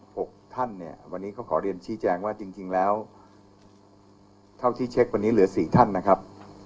หกท่านเนี่ยวันนี้ก็ขอเรียนชี้แจงว่าจริงจริงแล้วเท่าที่เช็ควันนี้เหลือสี่ท่านนะครับ